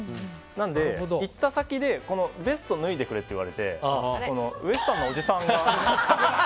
なので、行った先でベストを脱いでくれって言われてウエスタンなおじさんが。